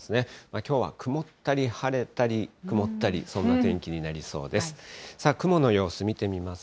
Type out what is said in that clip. きょうは曇ったり晴れたり、曇ったり、そんな天気になりそうです。